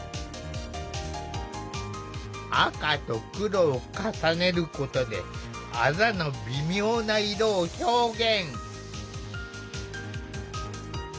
赤と黒を重ねることであざの微妙な色を表現。